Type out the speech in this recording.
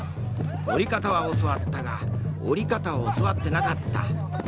乗り方は教わったが降り方は教わってなかった。